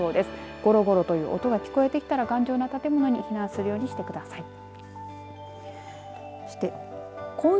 ゴロゴロという音が聞こえてきたら頑丈な建物に避難するようにしてください。